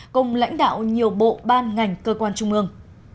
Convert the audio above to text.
cùng lãnh đạo nhiều bộ ban ngành cơ quan trung ương